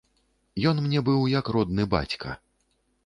Ён мне быў як родны бацька.